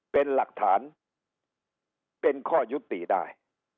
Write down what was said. เป็นหลักฐานเป็นข้อยุติได้